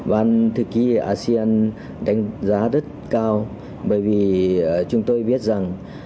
ban thư ký asean đánh giá rất cao bởi vì chúng tôi biết rằng